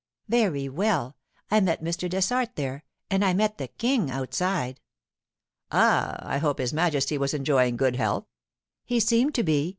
'Very well. I met Mr. Dessart there—and I met the King outside.' 'Ah, I hope His Majesty was enjoying good health?' 'He seemed to be.